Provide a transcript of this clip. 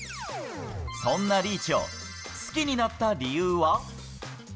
そんなリーチを、好きになった理由は？